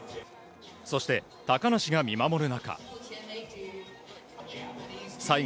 そして、高梨が見守る中。